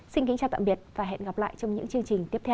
xin kính chào tạm biệt và hẹn gặp lại trong những chương trình tiếp theo